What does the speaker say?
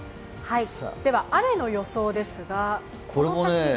雨の予想ですが、この先は？